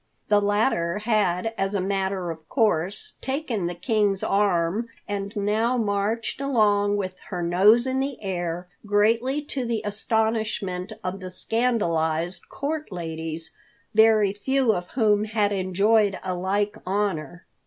The latter had, as a matter of course, taken the King's arm, and now marched along with her nose in the air, greatly to the astonishment of the scandalized court ladies, very few of whom had enjoyed a like honor.